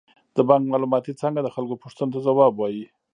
د بانک معلوماتي څانګه د خلکو پوښتنو ته ځواب وايي.